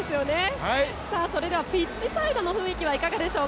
それではピッチサイドの雰囲気はいかがでしょう。